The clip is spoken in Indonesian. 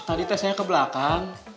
tadi tes saya ke belakang